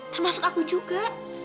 termasuk aku juga